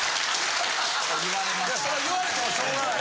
そら言われてもしょうがない。